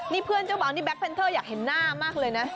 นี่เพื่อนเจ้าบ่าวนี่แก๊เพนเทอร์อยากเห็นหน้ามากเลยนะ